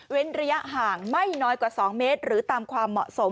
ระยะห่างไม่น้อยกว่า๒เมตรหรือตามความเหมาะสม